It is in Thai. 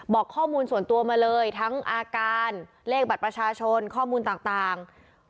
บอกข้อมูลส่วนตัวมาเลยทั้งอาการเลขบัตรประชาชนข้อมูลต่าง